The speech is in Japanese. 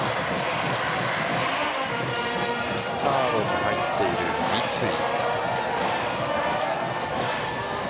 サードに入っている三井。